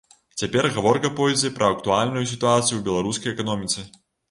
Цяпер гаворка пойдзе пра актуальную сітуацыю ў беларускай эканоміцы.